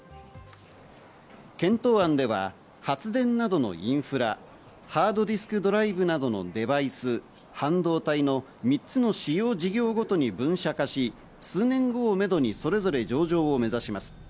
検討案では発電などのインフラ、ハードディスクドライブなどのデバイス、半導体の３つの主要事業ごとに分社化し、数年後をめどにそれぞれ上場を目指します。